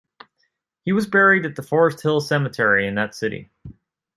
He was buried at the Forest Hill Cemetery in that city.